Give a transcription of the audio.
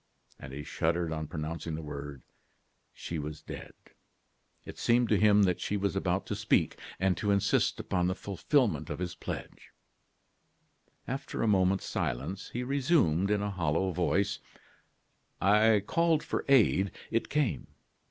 And he shuddered on pronouncing the words: "She was dead." It seemed to him that she was about to speak, and to insist upon the fulfilment of his pledge. After a moment's silence, he resumed, in a hollow voice: "I called for aid; it came.